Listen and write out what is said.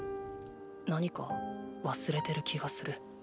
何か忘れてる気がする。